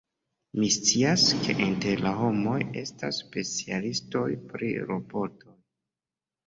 Mi scias, ke inter la homoj estas specialistoj pri robotoj.